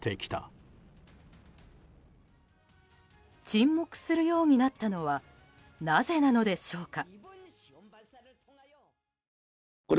沈黙するようになったのはなぜなのでしょうか。